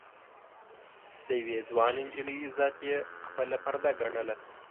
د يوې ځوانې نجلۍ عزت يې خپله پرده ګڼله.